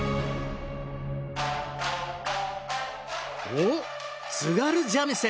お津軽三味線！